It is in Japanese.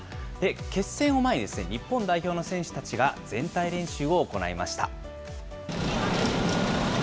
決戦を前に、日本代表の選手たちが全体練習を行いました。